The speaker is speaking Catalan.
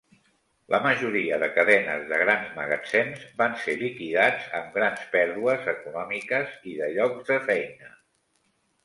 La majoria de cadenes de grans magatzems van ser liquidats amb grans pèrdues econòmiques i de llocs de feina.